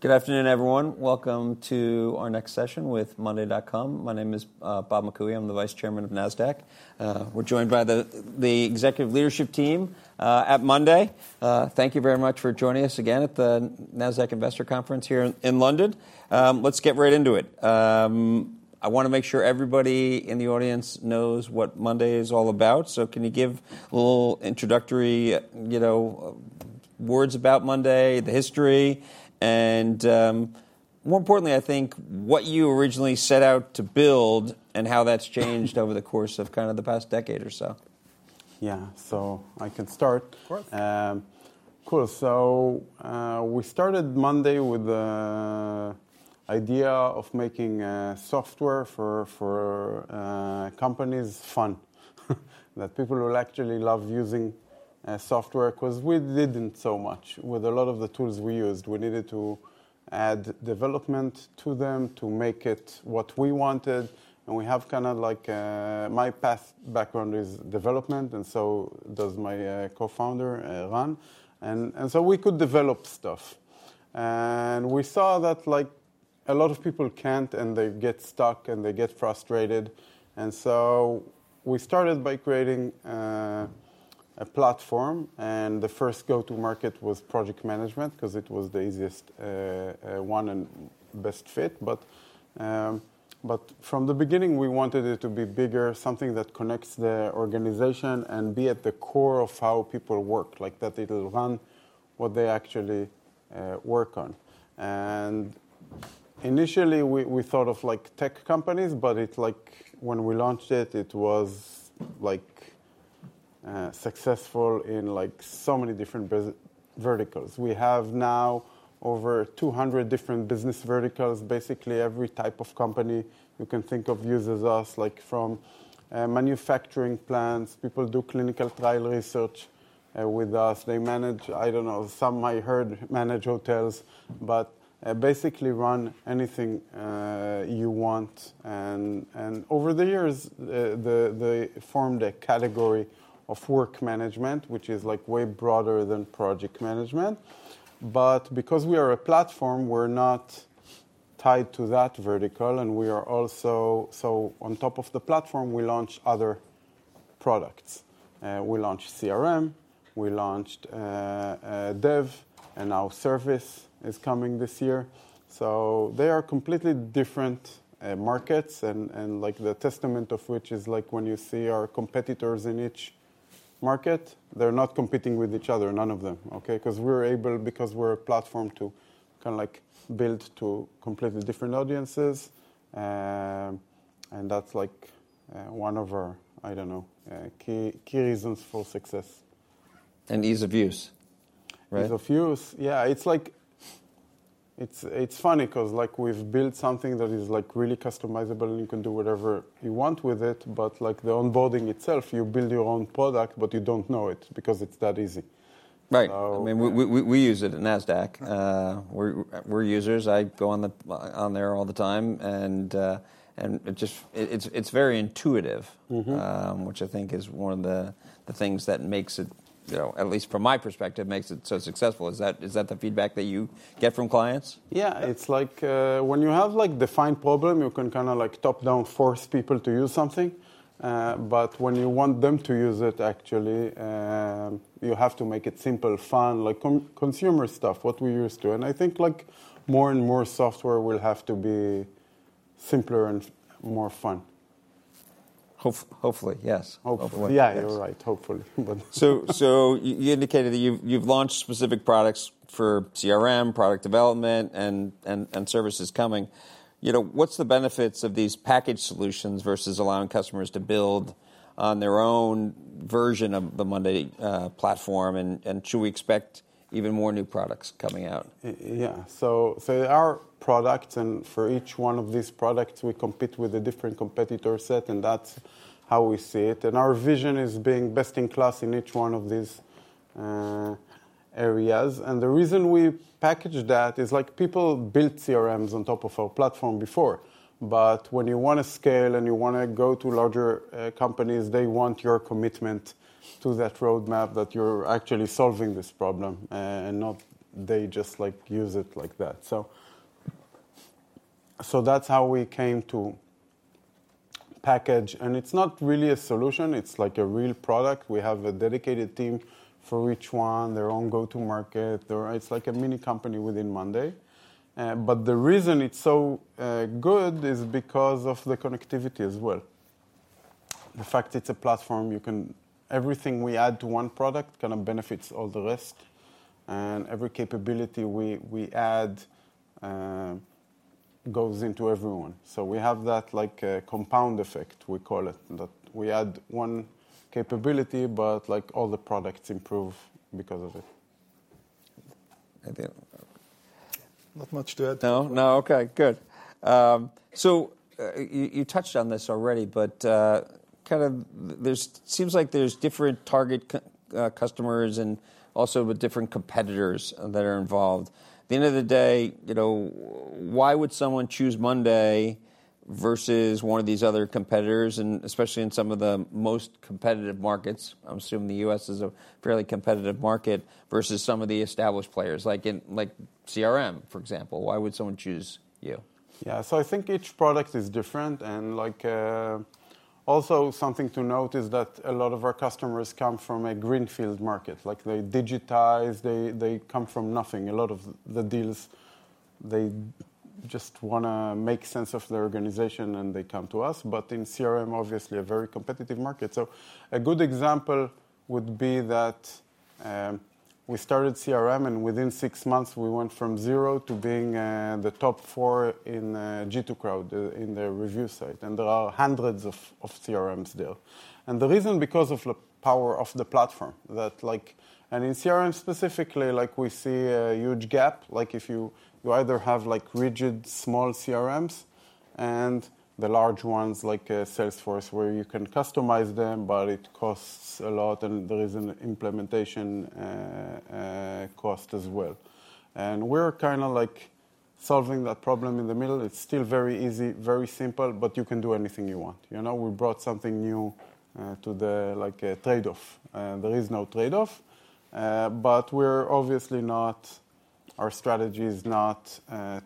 Good afternoon, everyone. Welcome to our next session with monday.com. My name is Bob McCooey. I'm the Vice Chairman of Nasdaq. We're joined by the Executive Leadership Team at monday.com. Thank you very much for joining us again at the Nasdaq Investor Conference here in London. Let's get right into it. I want to make sure everybody in the audience knows what monday.com is all about. So can you give a little introductory words about monday.com, the history, and more importantly, I think, what you originally set out to build and how that's changed over the course of kind of the past decade or so? Yeah, so I can start. Of course. Cool, so we started monday.com with the idea of making software for companies fun, that people will actually love using software, because we didn't do so much with a lot of the tools we used. We needed to add development to them to make it what we wanted, and we have kind of like my past background is development, and so does my co-founder, Eran, and so we could develop stuff. And we saw that a lot of people can't, and they get stuck, and they get frustrated, and so we started by creating a platform, and the first go-to-market was project management because it was the easiest one and best fit, but from the beginning, we wanted it to be bigger, something that connects the organization and be at the core of how people work, like that it'll run what they actually work on. Initially, we thought of tech companies, but when we launched it, it was successful in so many different verticals. We have now over 200 different business verticals. Basically, every type of company you can think of uses us, like from manufacturing plants. People do clinical trial research with us. They manage, I don't know, some I heard manage hotels, but basically run anything you want. Over the years, they formed a category of work management, which is way broader than project management. Because we are a platform, we're not tied to that vertical. We are also so on top of the platform, we launch other products. We launched CRM. We launched dev. Our service is coming this year. They are completely different markets. The testament of which is like when you see our competitors in each market, they're not competing with each other, none of them, because we're able, because we're a platform to kind of build to completely different audiences. And that's like one of our, I don't know, key reasons for success. And ease of use. Ease of use, yeah. It's funny because we've built something that is really customizable, and you can do whatever you want with it. But the onboarding itself, you build your own product, but you don't know it because it's that easy. Right. I mean, we use it at Nasdaq. We're users. I go on there all the time, and it's very intuitive, which I think is one of the things that makes it, at least from my perspective, makes it so successful. Is that the feedback that you get from clients? Yeah. It's like when you have a defined problem, you can kind of top-down force people to use something. But when you want them to use it, actually, you have to make it simple, fun, like consumer stuff, what we're used to, and I think more and more software will have to be simpler and more fun. Hopefully, yes. Hopefully. Yeah, you're right. Hopefully. You indicated that you've launched specific products for CRM, product development, and services coming. What's the benefits of these package solutions versus allowing customers to build on their own version of the monday.com platform? Should we expect even more new products coming out? Yeah. So our products, and for each one of these products, we compete with a different competitor set. And that's how we see it. And our vision is being best in class in each one of these areas. And the reason we package that is people built CRMs on top of our platform before. But when you want to scale and you want to go to larger companies, they want your commitment to that roadmap that you're actually solving this problem, and not they just use it like that. So that's how we came to package. And it's not really a solution. It's like a real product. We have a dedicated team for each one, their own go-to-market. It's like a mini company within monday.com. But the reason it's so good is because of the connectivity as well. The fact it's a platform, everything we add to one product kind of benefits all the rest. And every capability we add goes into everyone. So we have that compound effect, we call it, that we add one capability, but all the products improve because of it. Not much to add. No. No. OK, good. So you touched on this already, but kind of it seems like there's different target customers and also different competitors that are involved. At the end of the day, why would someone choose monday.com versus one of these other competitors, and especially in some of the most competitive markets? I'm assuming the US is a fairly competitive market versus some of the established players, like CRM, for example. Why would someone choose you? Yeah. So I think each product is different. And also, something to note is that a lot of our customers come from a greenfield market. They digitize. They come from nothing. A lot of the deals, they just want to make sense of their organization, and they come to us. But in CRM, obviously, a very competitive market. So a good example would be that we started CRM, and within six months, we went from zero to being the top four in G2 Crowd in the review site. And there are hundreds of CRMs there. And the reason is because of the power of the platform. And in CRM specifically, we see a huge gap. If you either have rigid small CRMs and the large ones, like Salesforce, where you can customize them, but it costs a lot, and there is an implementation cost as well. We're kind of solving that problem in the middle. It's still very easy, very simple, but you can do anything you want. We brought something new to the trade-off. There is no trade-off. But we're obviously not. Our strategy is not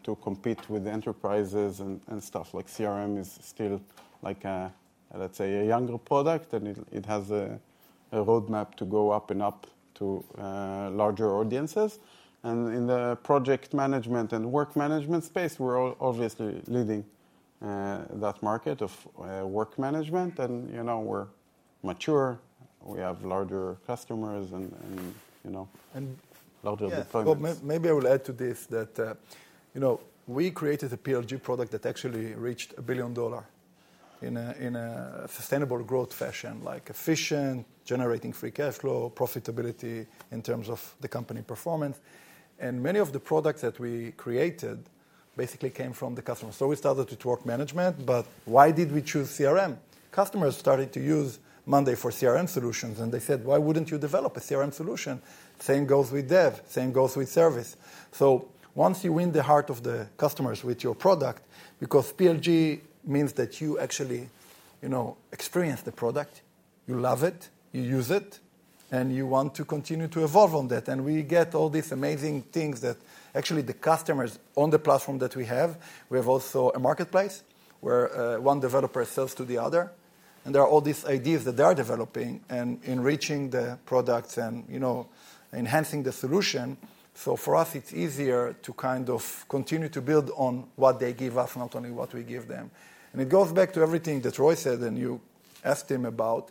to compete with enterprises and stuff. CRM is still, let's say, a younger product, and it has a roadmap to go up and up to larger audiences. In the project management and work management space, we're obviously leading that market of work management. We're mature. We have larger customers and larger deployments. Maybe I will add to this that we created a PLG product that actually reached $1 billion in a sustainable growth fashion, like efficient, generating free cash flow, profitability in terms of the company performance, and many of the products that we created basically came from the customers, so we started with work management, but why did we choose CRM? Customers started to use monday.com for CRM solutions, and they said, why wouldn't you develop a CRM solution? Same goes with dev. Same goes with service, so once you win the heart of the customers with your product, because PLG means that you actually experience the product, you love it, you use it, and you want to continue to evolve on that. And we get all these amazing things that actually the customers on the platform that we have. We have also a marketplace where one developer sells to the other. And there are all these ideas that they are developing and enriching the products and enhancing the solution. So for us, it's easier to kind of continue to build on what they give us, not only what we give them. And it goes back to everything that Roy said and you asked him about.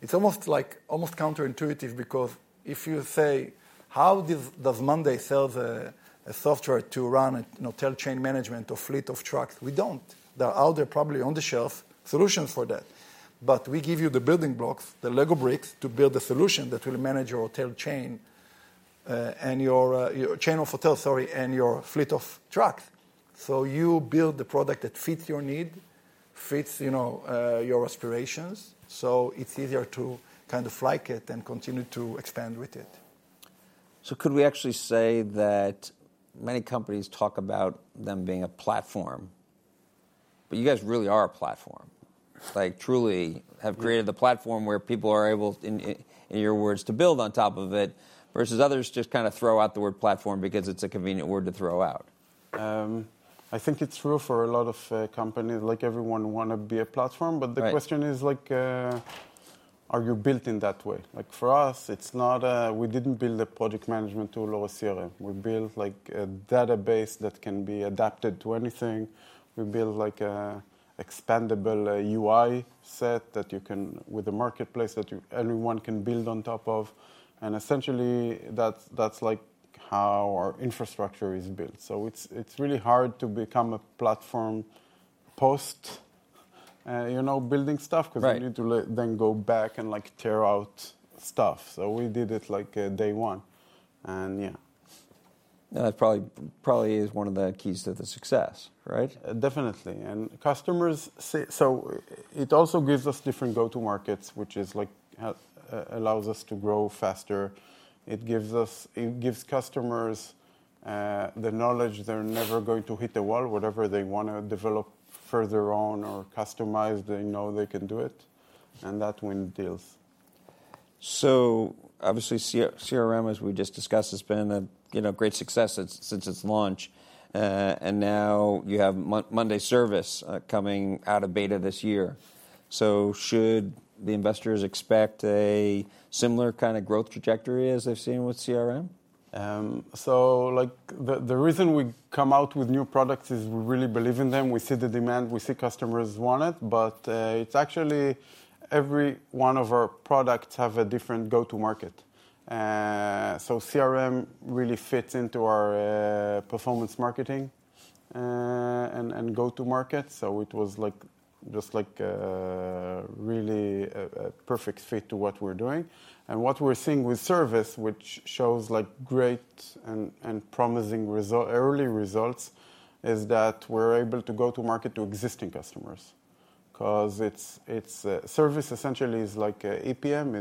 It's almost counterintuitive because if you say, how does monday.com sell the software to run a hotel chain management or fleet of trucks? We don't. There are out there, probably on the shelves, solutions for that. But we give you the building blocks, the Lego bricks, to build a solution that will manage your hotel chain and your chain of hotels, sorry, and your fleet of trucks. So you build the product that fits your need, fits your aspirations. So it's easier to kind of like it and continue to expand with it. So could we actually say that many companies talk about them being a platform, but you guys really are a platform, truly have created the platform where people are able, in your words, to build on top of it, versus others just kind of throw out the word platform because it's a convenient word to throw out? I think it's true for a lot of companies. Everyone wants to be a platform. But the question is, are you built in that way? For us, we didn't build a project management tool or a CRM. We built a database that can be adapted to anything. We built an expandable UI set with a marketplace that everyone can build on top of. And essentially, that's how our infrastructure is built. So it's really hard to become a platform post-building stuff because you need to then go back and tear out stuff. So we did it day one. And yeah. That probably is one of the keys to the success, right? Definitely. And customers say so it also gives us different go-to-markets, which allows us to grow faster. It gives customers the knowledge they're never going to hit the wall. Whatever they want to develop further on or customize, they know they can do it. And that wins deals. Obviously, CRM, as we just discussed, has been a great success since its launch. Now you have monday.com service coming out of beta this year. Should the investors expect a similar kind of growth trajectory as they've seen with CRM? So the reason we come out with new products is we really believe in them. We see the demand. We see customers want it. But it's actually every one of our products has a different go-to-market. So CRM really fits into our performance marketing and go-to-market. So it was just like a really perfect fit to what we're doing. And what we're seeing with service, which shows great and promising early results, is that we're able to go-to-market to existing customers because service essentially is like APM.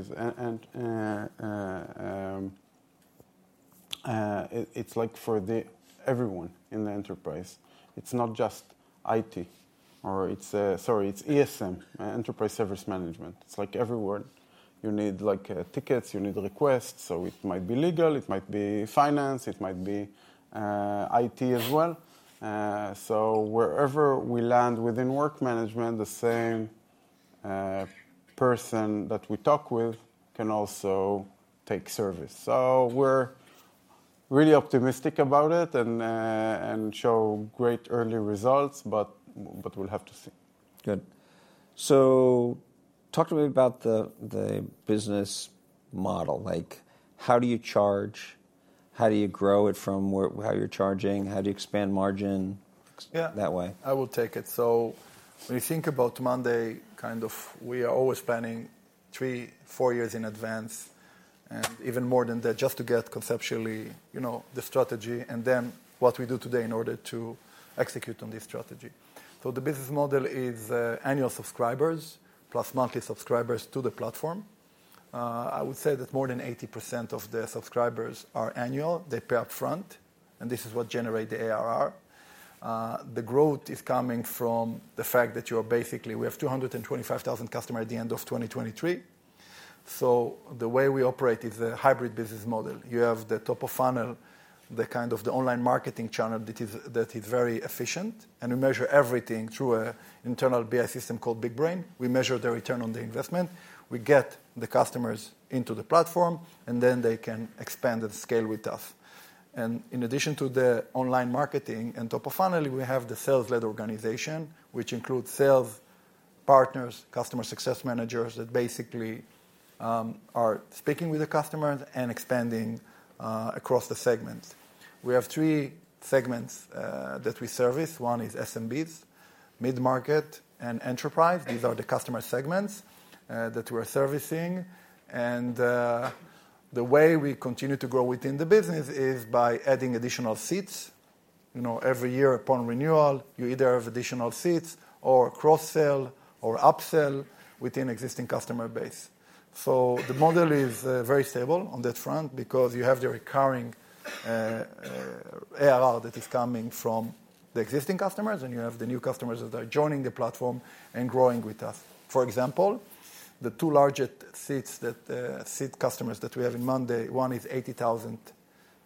It's like for everyone in the enterprise. It's not just IT, or sorry, it's ESM, Enterprise Service Management. It's like everyone. You need tickets. You need requests. So it might be legal. It might be finance. It might be IT as well. So wherever we land within work management, the same person that we talk with can also take service. So we're really optimistic about it and show great early results. But we'll have to see. Good. So talk to me about the business model. How do you charge? How do you grow it from how you're charging? How do you expand margin that way? Yeah. I will take it, so when you think about monday.com, kind of we are always planning three, four years in advance, and even more than that, just to get conceptually the strategy and then what we do today in order to execute on this strategy. The business model is annual subscribers plus monthly subscribers to the platform. I would say that more than 80% of the subscribers are annual. They pay upfront. And this is what generates the ARR. The growth is coming from the fact that we have 225,000 customers at the end of 2023. The way we operate is a hybrid business model. You have the top of funnel, the kind of the online marketing channel that is very efficient. And we measure everything through an internal BI system called BigBrain. We measure the return on the investment. We get the customers into the platform, and then they can expand and scale with us, and in addition to the online marketing and top of funnel, we have the sales-led organization, which includes sales, partners, customer success managers that basically are speaking with the customers and expanding across the segments. We have three segments that we service. One is SMBs, mid-market, and enterprise. These are the customer segments that we're servicing, and the way we continue to grow within the business is by adding additional seats. Every year upon renewal, you either have additional seats or cross-sell or up-sell within the existing customer base, so the model is very stable on that front because you have the recurring ARR that is coming from the existing customers, and you have the new customers that are joining the platform and growing with us. For example, the two largest seats that seat customers that we have in monday.com, one is 80,000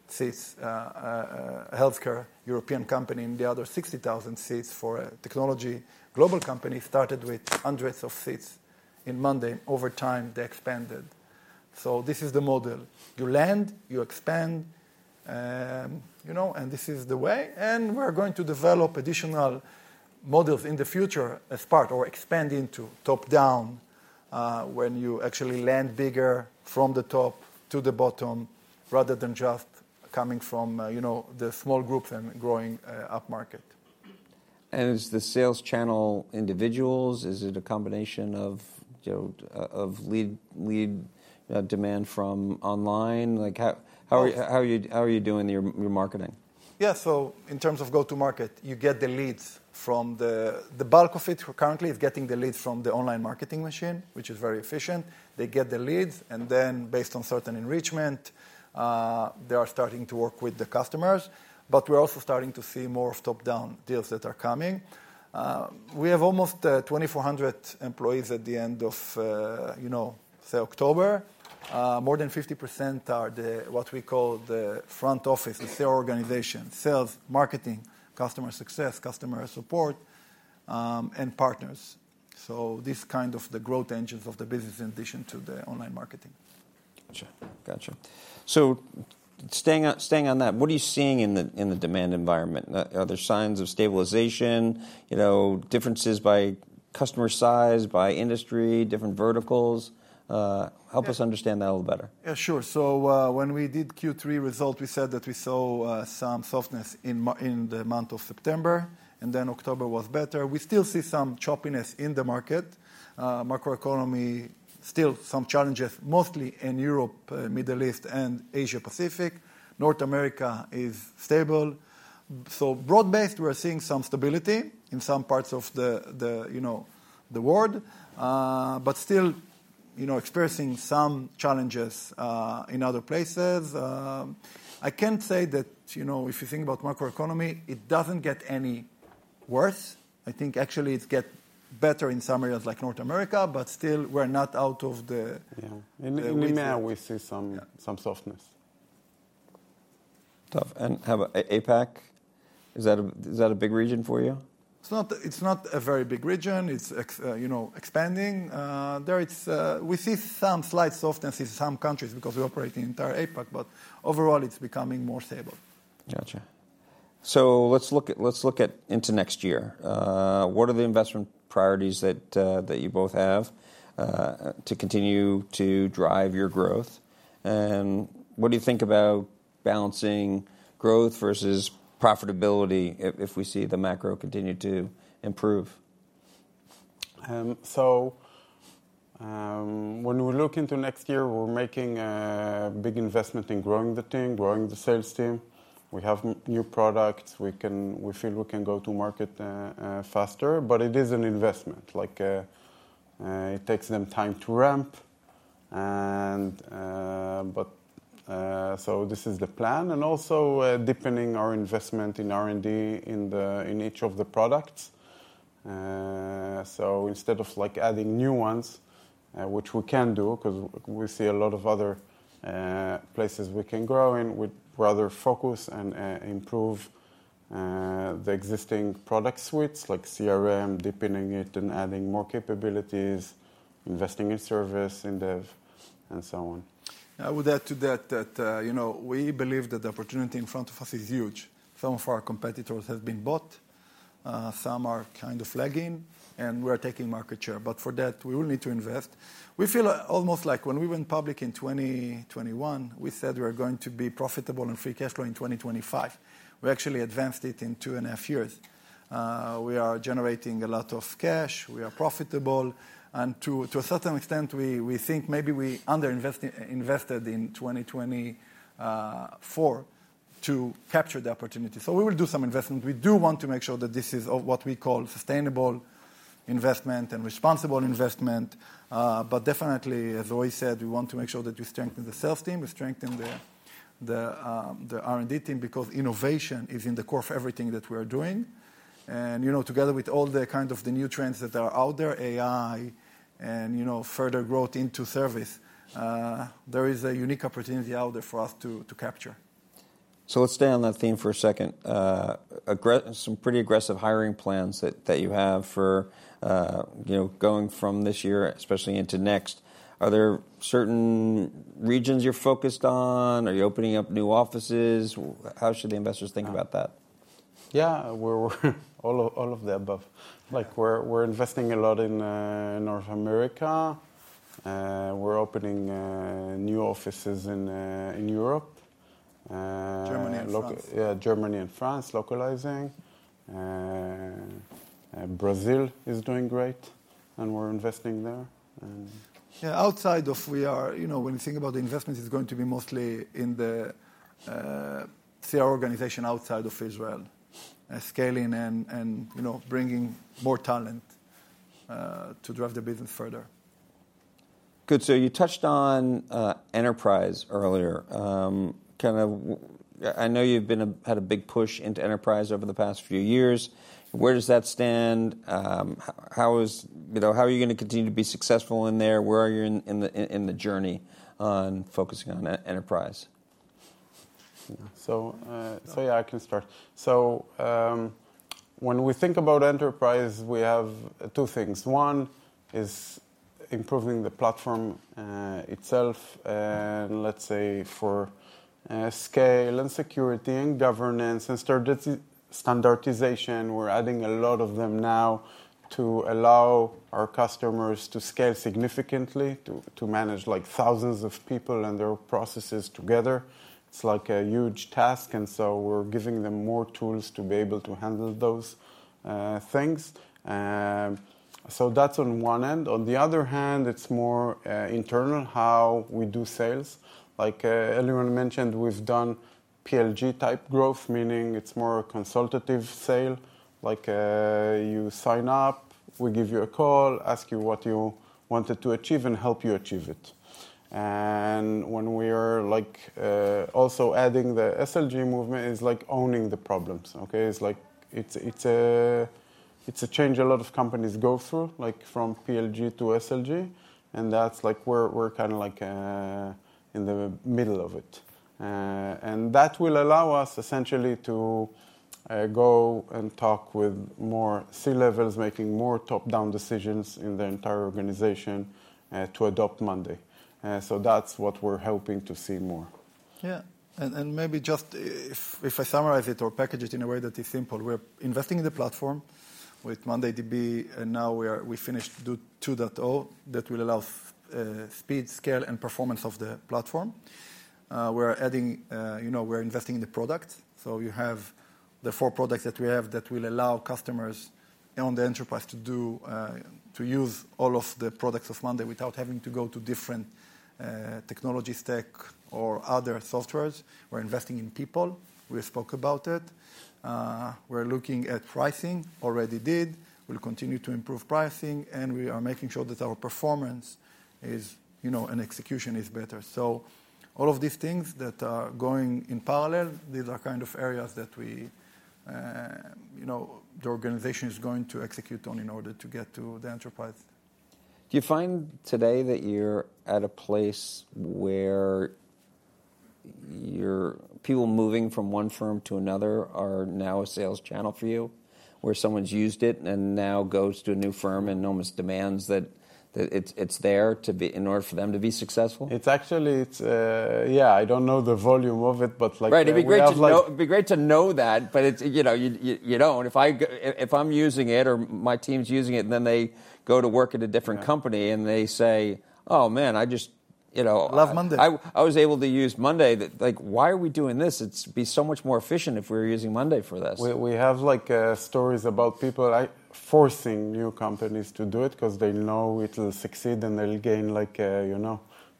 seats, a healthcare European company, and the other 60,000 seats for a technology global company started with hundreds of seats in monday.com. Over time, they expanded, so this is the model. You land. You expand, and this is the way, and we're going to develop additional models in the future as part or expand into top-down when you actually land bigger from the top to the bottom rather than just coming from the small groups and growing upmarket. Is the sales channel individuals? Is it a combination of lead demand from online? How are you doing your marketing? Yeah. So in terms of go-to-market, you get the leads from the bulk of it. Currently, it's getting the leads from the online marketing machine, which is very efficient. They get the leads. And then based on certain enrichment, they are starting to work with the customers. But we're also starting to see more top-down deals that are coming. We have almost 2,400 employees at the end of October. More than 50% are what we call the front office, the sales organization, sales, marketing, customer success, customer support, and partners. So this is kind of the growth engines of the business in addition to the online marketing. Gotcha. Gotcha. So staying on that, what are you seeing in the demand environment? Are there signs of stabilization, differences by customer size, by industry, different verticals? Help us understand that a little better. Yeah, sure. So when we did Q3 results, we said that we saw some softness in the month of September. And then October was better. We still see some choppiness in the market. Macroeconomy, still some challenges, mostly in Europe, the Middle East, and Asia-Pacific. North America is stable. So broad-based, we're seeing some stability in some parts of the world, but still experiencing some challenges in other places. I can't say that if you think about macroeconomy, it doesn't get any worse. I think actually it gets better in some areas like North America. But still, we're not out of the. Yeah. In EMEA, we see some softness. Tough. And how about APAC? Is that a big region for you? It's not a very big region. It's expanding. We see some slight softness in some countries because we operate in the entire APAC. But overall, it's becoming more stable. Gotcha. So let's look ahead to next year. What are the investment priorities that you both have to continue to drive your growth? And what do you think about balancing growth versus profitability if we see the macro continue to improve? So when we look into next year, we're making a big investment in growing the team, growing the sales team. We have new products. We feel we can go to market faster. But it is an investment. It takes them time to ramp. But so this is the plan. And also deepening our investment in R&D in each of the products. So instead of adding new ones, which we can do because we see a lot of other places we can grow in, we'd rather focus and improve the existing product suites, like CRM, deepening it and adding more capabilities, investing in service, in dev, and so on. I would add to that that we believe that the opportunity in front of us is huge. Some of our competitors have been bought. Some are kind of lagging. And we're taking market share. But for that, we will need to invest. We feel almost like when we went public in 2021, we said we're going to be profitable and free cash flow in 2025. We actually advanced it in two and a half years. We are generating a lot of cash. We are profitable, and to a certain extent, we think maybe we underinvested in 2024 to capture the opportunity, so we will do some investment. We do want to make sure that this is what we call sustainable investment and responsible investment, but definitely, as Roy said, we want to make sure that we strengthen the sales team, we strengthen the R&D team because innovation is in the core of everything that we are doing, and together with all the kind of new trends that are out there, AI and further growth into service, there is a unique opportunity out there for us to capture. So let's stay on that theme for a second. Some pretty aggressive hiring plans that you have for going from this year, especially into next. Are there certain regions you're focused on? Are you opening up new offices? How should the investors think about that? Yeah. All of the above. We're investing a lot in North America. We're opening new offices in Europe. Germany and France. Yeah, Germany and France, localizing. Brazil is doing great. And we're investing there. Yeah. Outside of we are, when you think about the investment, it's going to be mostly in the CRM organization outside of Israel, scaling and bringing more talent to drive the business further. Good. So you touched on enterprise earlier. Kind of I know you've had a big push into enterprise over the past few years. Where does that stand? How are you going to continue to be successful in there? Where are you in the journey on focusing on enterprise? So yeah, I can start. So when we think about enterprise, we have two things. One is improving the platform itself. And let's say for scale and security and governance and standardization, we're adding a lot of them now to allow our customers to scale significantly, to manage thousands of people and their processes together. It's like a huge task. And so we're giving them more tools to be able to handle those things. So that's on one end. On the other hand, it's more internal, how we do sales. Like Eliran mentioned, we've done PLG-type growth, meaning it's more consultative sale. You sign up. We give you a call, ask you what you wanted to achieve, and help you achieve it. And when we are also adding the SLG movement, it's like owning the problems. It's a change a lot of companies go through, like from PLG to SLG. That's like we're kind of like in the middle of it. That will allow us essentially to go and talk with more C-levels, making more top-down decisions in the entire organization to adopt monday.com. That's what we're hoping to see more. Yeah. And maybe just if I summarize it or package it in a way that is simple, we're investing in the platform with mondayDB. And now we finished 2.0 that will allow speed, scale, and performance of the platform. We're adding. We're investing in the product. So you have the four products that we have that will allow customers on the enterprise to use all of the products of monday.com without having to go to different technology stack or other softwares. We're investing in people. We spoke about it. We're looking at pricing, already did. We'll continue to improve pricing. And we are making sure that our performance and execution is better. So all of these things that are going in parallel, these are kind of areas that the organization is going to execute on in order to get to the enterprise. Do you find today that you're at a place where people moving from one firm to another are now a sales channel for you, where someone's used it and now goes to a new firm and almost demands that it's there in order for them to be successful? It's actually yeah, I don't know the volume of it. But. Right. It'd be great to know that. But you don't. If I'm using it or my team's using it, and then they go to work at a different company and they say, "Oh, man, I just. Love monday.com. I was able to use monday.com. Why are we doing this? It'd be so much more efficient if we were using monday.com for this. We have stories about people forcing new companies to do it because they know it will succeed and they'll gain a.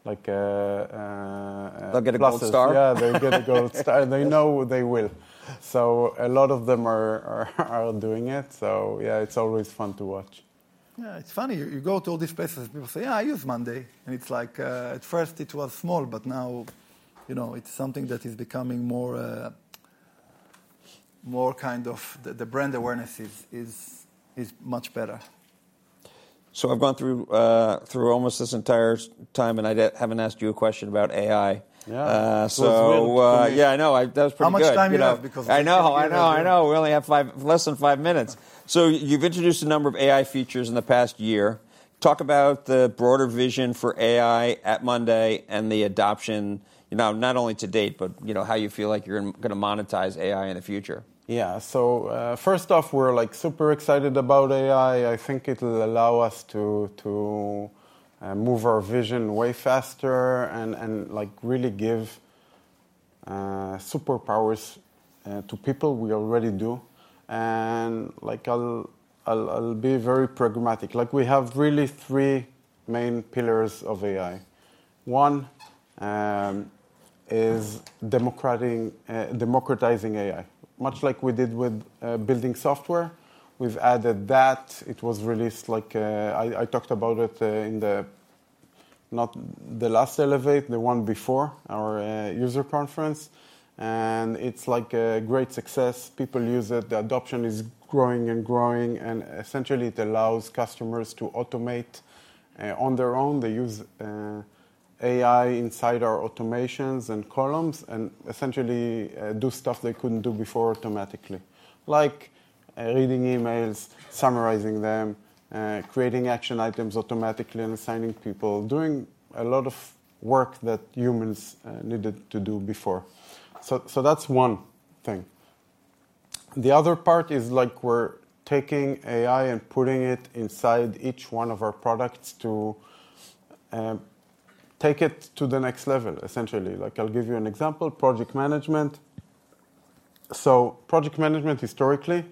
They'll get a gold star. Yeah, they'll get a gold star. They know they will. So a lot of them are doing it. So yeah, it's always fun to watch. Yeah. It's funny. You go to all these places, and people say, "Yeah, I use monday.com." And it's like at first, it was small. But now it's something that is becoming more kind of the brand awareness is much better. So I've gone through almost this entire time, and I haven't asked you a question about AI. Yeah. So yeah, I know. That was pretty good. How much time do you have? I know. I know. I know. We only have less than five minutes. So you've introduced a number of AI features in the past year. Talk about the broader vision for AI at monday.com and the adoption, not only to date, but how you feel like you're going to monetize AI in the future. Yeah. So first off, we're super excited about AI. I think it will allow us to move our vision way faster and really give superpowers to people we already do. And I'll be very pragmatic. We have really three main pillars of AI. One is democratizing AI, much like we did with building software. We've added that. It was released like I talked about it in the not the last Elevate, the one before our user conference. And it's like a great success. People use it. The adoption is growing and growing. And essentially, it allows customers to automate on their own. They use AI inside our automations and columns and essentially do stuff they couldn't do before automatically, like reading emails, summarizing them, creating action items automatically, and assigning people, doing a lot of work that humans needed to do before. So that's one thing. The other part is we're taking AI and putting it inside each one of our products to take it to the next level, essentially. I'll give you an example, project management. So project management historically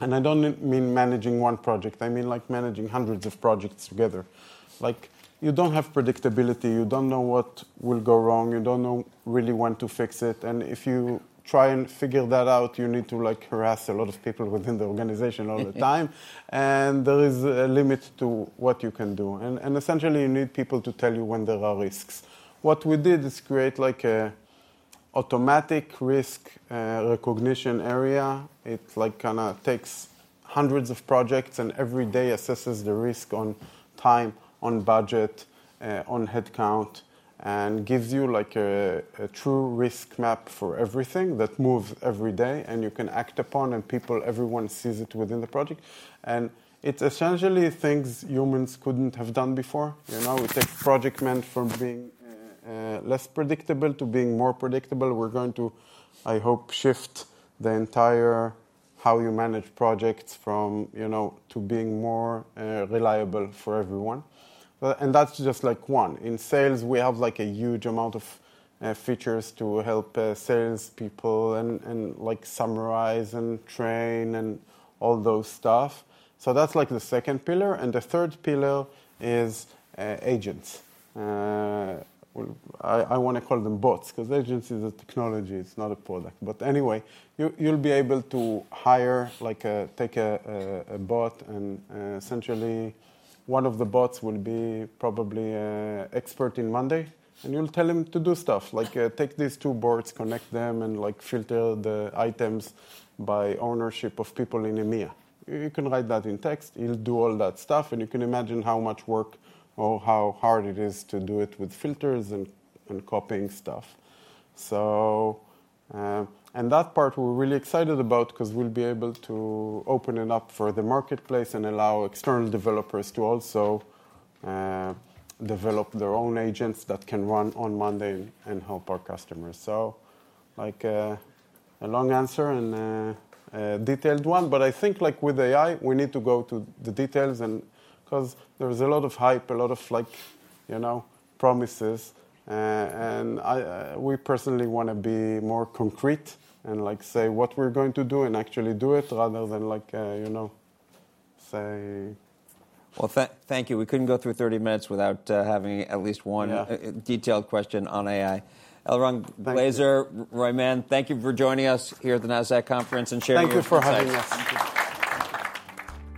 and I don't mean managing one project. I mean managing hundreds of projects together. You don't have predictability. You don't know what will go wrong. You don't know really when to fix it. And if you try and figure that out, you need to harass a lot of people within the organization all the time. And there is a limit to what you can do. And essentially, you need people to tell you when there are risks. What we did is create an automatic risk recognition area. It kind of takes hundreds of projects and every day assesses the risk on time, on budget, on headcount, and gives you a true risk map for everything that moves every day. And you can act upon. And people, everyone sees it within the project. And it's essentially things humans couldn't have done before. We take project management from being less predictable to being more predictable. We're going to, I hope, shift the entire how you manage projects to being more reliable for everyone. And that's just like one. In sales, we have a huge amount of features to help salespeople and summarize and train and all those stuff. So that's like the second pillar. And the third pillar is agents. I want to call them bots because agents is a technology. It's not a product. But anyway, you'll be able to hire, take a bot. Essentially, one of the bots will be probably an expert in monday.com. You'll tell him to do stuff, like take these two boards, connect them, and filter the items by ownership of people in EMEA. You can write that in text. He'll do all that stuff. You can imagine how much work or how hard it is to do it with filters and copying stuff. That part we're really excited about because we'll be able to open it up for the marketplace and allow external developers to also develop their own agents that can run on monday.com and help our customers. A long answer and a detailed one. I think with AI, we need to go to the details because there is a lot of hype, a lot of promises. We personally want to be more concrete and say what we're going to do and actually do it rather than say. Thank you. We couldn't go through 30 minutes without having at least one detailed question on AI. Eliran Glazer, Roy Mann, thank you for joining us here at the Nasdaq Conference and sharing your insights. Thank you for having us.